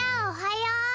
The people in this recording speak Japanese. おはよう！